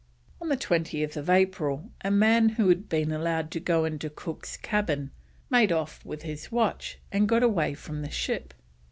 On 20th April a man who had been allowed to go into Cook's cabin, made off with his watch, and got away from the ship.